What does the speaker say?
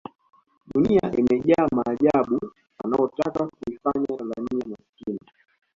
dunia imejaa maadui wanaotaka kuifanya tanzania maskini